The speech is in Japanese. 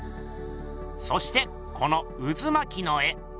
そしてこのうずまきの絵。